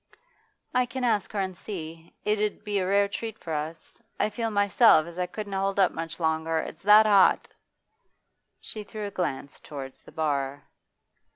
'I can ask her and see. It 'ud be a rare treat for us. I feel myself as if I couldn't hold up much longer, it's that hot!' She threw a glance towards the bar.